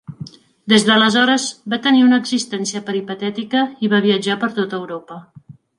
Des d'aleshores, va tenir una existència peripatètica i va viatjar per tota Europa.